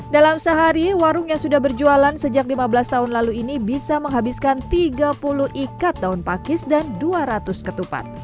dalam sehari warung yang sudah berjualan sejak lima belas tahun lalu ini bisa menghabiskan tiga puluh ikat daun pakis dan dua ratus ketupat